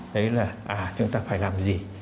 đấy là chúng ta phải làm gì